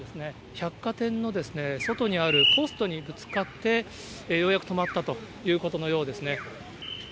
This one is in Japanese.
百貨店の外にあるポストにぶつかって、ようやく止まったということのようですね。